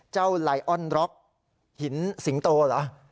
ไลออนร็อกหินสิงโตเหรอ